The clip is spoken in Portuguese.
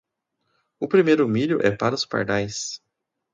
O primeiro milho é para os pardais.